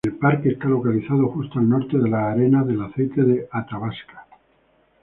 El parque está localizado justo al norte de las Arenas del aceite de Athabasca.